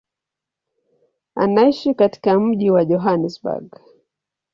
Anaishi katika mji wa Johannesburg.